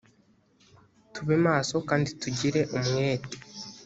tube maso kandi tugire umwete